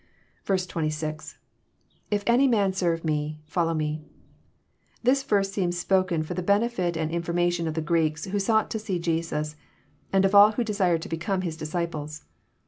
26. — Iff any man serve me... follow me.} This yerse seems spolcen for the benefit and information of the Greeks who sought to see Jesus, and of all who desired to become His disciples.